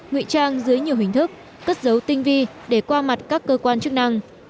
ngụy trang dưới nhiều hình thức cất giấu tinh vi để qua mặt các cơ quan chức năng